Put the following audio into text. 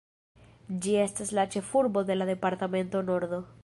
Ĝi estas la ĉefurbo de la Departemento Nordo.